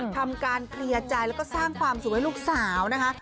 ทำการเคลียร์ใจแล้วก็สร้างความสุขให้ลูกสาวนะคะ